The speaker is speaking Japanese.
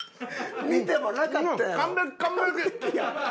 見てもなかったやろ。